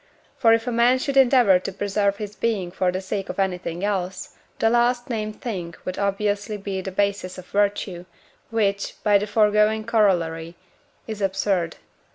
for if a man should endeavour to preserve his being for the sake of anything else, the last named thing would obviously be the basis of virtue, which, by the foregoing corollary, is absurd.